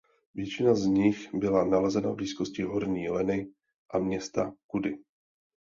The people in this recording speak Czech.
Většina z nich byla nalezena v blízkosti horní Leny a města Kudy.